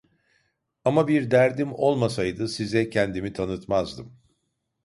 Ama bir derdim olmasaydı size kendimi tanıtmazdım.